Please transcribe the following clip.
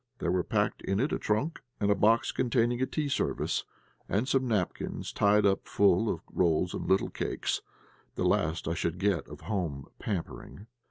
There were packed in it a trunk and a box containing a tea service, and some napkins tied up full of rolls and little cakes, the last I should get of home pampering.